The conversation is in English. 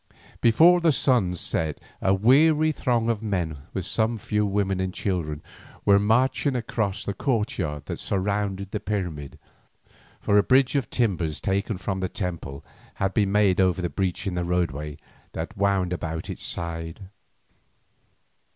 Before the sun set a weary throng of men, with some few women and children, were marching across the courtyard that surrounded the pyramid, for a bridge of timbers taken from the temple had been made over the breach in the roadway that wound about its side.